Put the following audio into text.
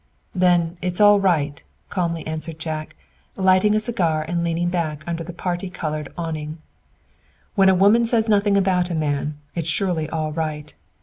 "Then, IT'S ALL RIGHT!" calmly answered Jack, lighting a cigar and leaning back under the parti colored awning. "When a woman says nothing about a man, it's surely all right.